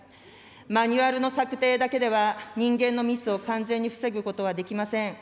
マニュアルの策定だけでは、人間のミスを完全に防ぐことはできません。